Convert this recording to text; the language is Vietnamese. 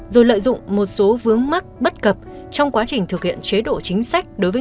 rồi lợi dụng một số vướng mắc bất cập trong quá trình thực hiện chế độ chính sách đối với